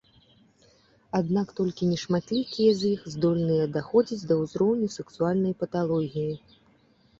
Аднак толькі нешматлікія з іх здольныя даходзіць да ўзроўню сексуальнай паталогіі.